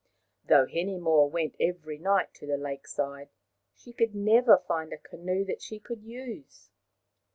Though Hinemoa went every night to the lake side, she could never find a canoe that she could use.